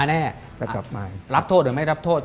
แน่แต่กลับมารับโทษหรือไม่รับโทษ